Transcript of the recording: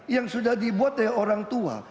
yang sudah dibuat oleh orang tua